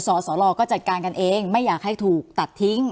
สสลก็จัดการกันเองไม่อยากให้ถูกตัดทิ้ง